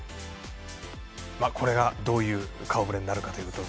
これが、どういう顔ぶれになるか。